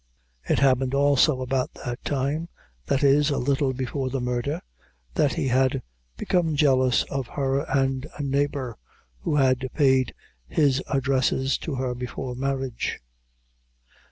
It happened also about that time, that is, a little before the murder, that he had become jealous of her and a neighbor, who had paid his addresses to her before marriage.